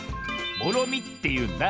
「もろみ」っていうんだ。